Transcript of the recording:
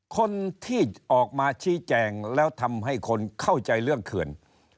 คนที่ออกมาชี้แจงแล้วทำให้คนเข้าใจเรื่องเขื่อน